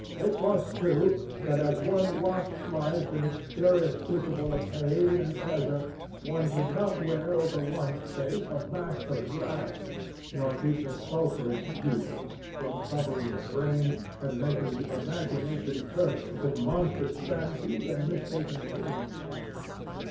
It was true that as one watched life in its curious crucible of pain and pleasure, one could not wear over one's face a mask of glass, nor keep the sulphurous fumes from troubling the brain and making the imagination turbid with monstrous fancies and misshapen dreams.